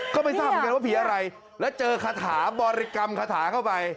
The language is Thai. ก็ไม่ทราบเหมือนกันว่าผีอะไรแล้วเจอคาถาบริกรรมคาถาเข้าไป